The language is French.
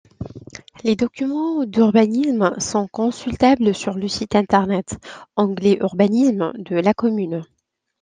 Les documents d'urbanismes sont consultables sur le site internet, onglet urbanisme de la commune.